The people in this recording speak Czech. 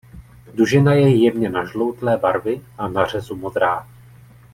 Dužina je jemně nažloutlé barvy a na řezu modrá.